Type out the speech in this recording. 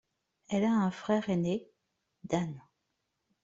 Elle a un frère aîné, Dan.